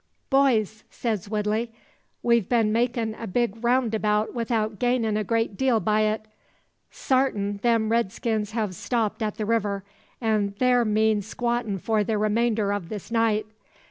"Boys!" says Woodley, "we've been makin' a big roundabout 'ithout gainin' a great deal by it. Sartin them redskins hev stopped at the river, an' thar mean squatting for the remainder o' this night.